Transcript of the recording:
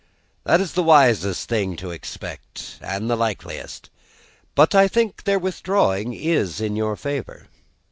"It's the wisest thing to expect, and the likeliest. But I think their withdrawing is in your favour."